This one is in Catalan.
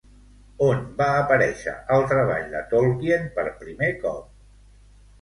On va aparèixer el treball de Tolkien per primer cop?